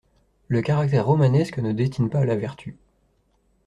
Le caractère romanesque ne destine pas à la vertu.